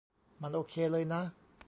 มันโอเคเลยนะ